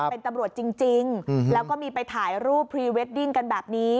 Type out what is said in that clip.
เป็นตำรวจจริงแล้วก็มีไปถ่ายรูปพรีเวดดิ้งกันแบบนี้